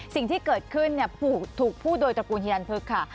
สิ่งที่เกิดขึ้นถูกพูดโดยตระกูลฮิรันพึกค่ะ